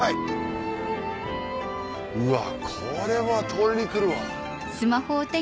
うわっこれは撮りに来るわ。